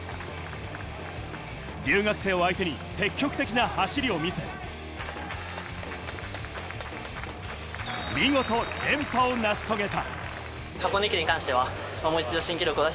留学生を相手に積極的な走りを見せ、見事連覇を成し遂げた。